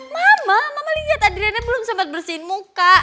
mama mama liat adriana belum sempet bersihin muka